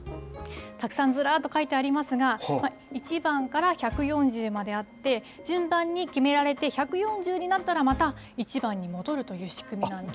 たくさんずらっと書いてありますが、１番から１４０まであって、順番に決められて、１４０になったらまた１番に戻るという仕組みなんですね。